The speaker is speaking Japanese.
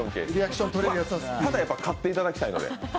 ただね、勝っていただきたいので。